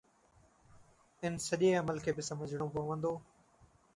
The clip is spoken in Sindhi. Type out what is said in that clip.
ان سڄي عمل کي به سمجهڻو پوندو